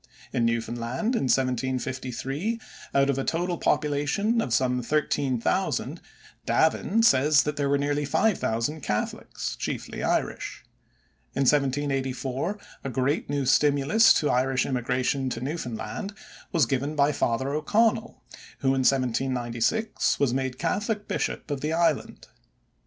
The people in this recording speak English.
In Newfoundland in 1753 out of a total population of some thirteen thousand, Davin says that there were nearly five thousand Catholics, chiefly Irish. In 1784 a great new stimulus to Irish immigration to Newfoundland was given by Father O'Connell, who in 1796 was made Catholic bishop of the island.